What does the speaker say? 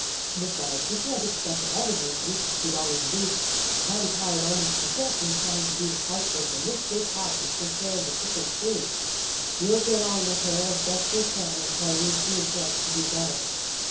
Besides, we can't expect all the virtues for two dollars a week and I'm tired almost to death from trying to do the housework in this big house and take care of the chickens, too. We'll get on with her as best we can until we see a chance to do better."